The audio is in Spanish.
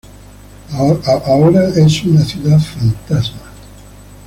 Ahora es una ciudad fantasma.